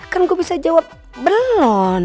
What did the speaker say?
kan gue bisa jawab belum